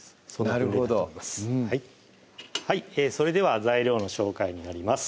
なるほどそれでは材料の紹介になります